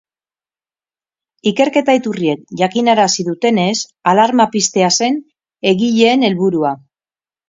Ikerketa iturriek jakinarazi dutenez, alarma piztea zen egileen helburua.